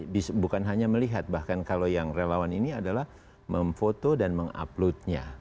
bisa bukan hanya melihat bahkan kalau yang relawan ini adalah memfoto dan menguploadnya